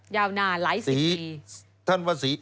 ยาวนานหลายสิบปี